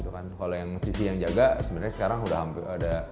kalau yang sisi yang jaga sebenarnya sekarang udah hampir ada